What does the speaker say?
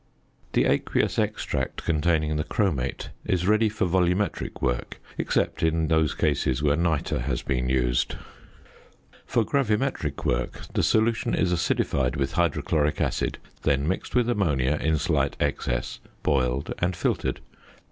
The aqueous extract containing the chromate is ready for volumetric work, except in those cases where nitre has been used. For gravimetric work the solution is acidified with hydrochloric acid, then mixed with ammonia in slight excess, boiled, and filtered.